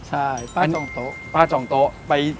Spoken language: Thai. ใช่ป้ารับจองโต๊ะ